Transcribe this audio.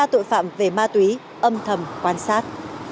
ba tội phạm về ma túy âm thầm quan sát